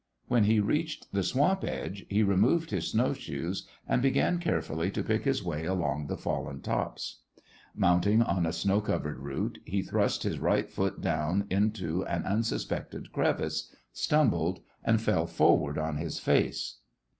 When he reached the swamp edge, he removed his snow shoes and began carefully to pick his way along the fallen tops. Mounting on a snow covered root, he thrust his right foot down into an unsuspected crevice, stumbled, and fell forward on his face.